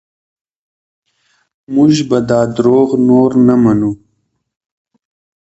موږ به دا دروغ نور نه منو.